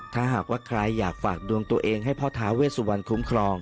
ถ้าหากว่าใครอยากฝากดวงตัวเองให้พ่อท้าเวสวันคุ้มครอง